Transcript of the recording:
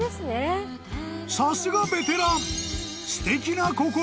［さすがベテラン］